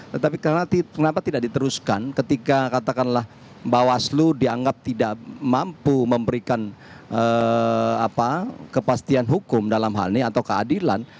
tetapi kenapa tidak diteruskan ketika katakanlah bawaslu dianggap tidak mampu memberikan kepastian hukum dalam hal ini atau keadilan